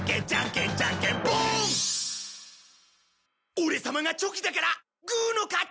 オレ様がチョキだからグーの勝ち！